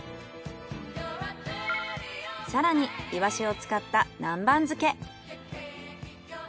更にイワシを使った南蛮漬け。